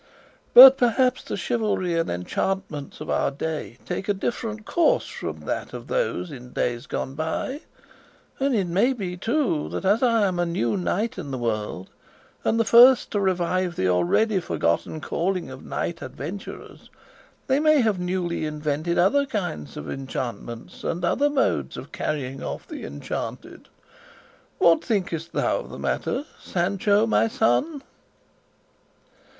But perhaps the chivalry and enchantments of our day take a different course from that of those in days gone by; and it may be, too, that as I am a new knight in the world, and the first to revive the already forgotten calling of knight adventurers, they may have newly invented other kinds of enchantments and other modes of carrying off the enchanted. What thinkest thou of the matter, Sancho my son?"